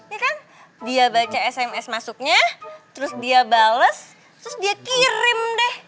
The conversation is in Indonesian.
ini kan dia baca sms masuknya terus dia bales terus dia kirim deh